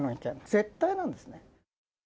絶対なんです。